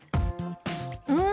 うん！